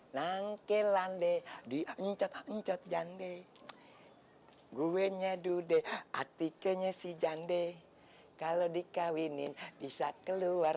nangke lande diangkat angkat jande gue nyedudek artikelnya si jande kalau dikawinin bisa keluar